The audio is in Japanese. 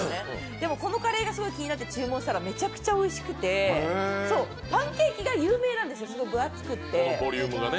でもこのカレーが気になって注文したらめちゃくちゃおいしくて、パンケーキが有名なんですよ、分厚くて。